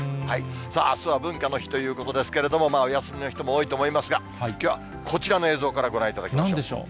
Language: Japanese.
あすは文化の日ということですけれども、お休みの人も多いと思いますが、きょうはこちらの映像からご覧いただきましょう。